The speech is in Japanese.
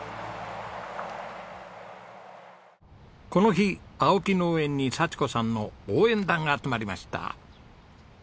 この日青木農園に幸子さんの応援団が集まりました。